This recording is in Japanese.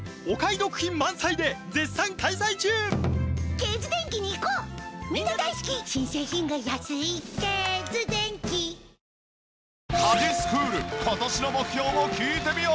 家事スクール今年の目標を聞いてみよう！